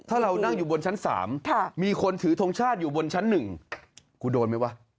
ถ้าเรานั่งอยู่บนชั้น๓มีคนถือทงชาติอยู่บนชั้น๑กูโดนไหมวะ